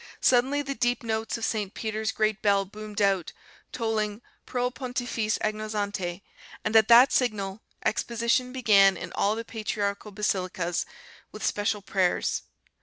"Suddenly the deep notes of St. Peter's great bell boomed out, tolling 'pro pontifice agonizzante,' and at that signal Exposition began in all the patriarchal basilicas, with special prayers.